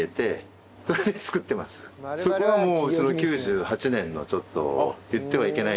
そこはもう。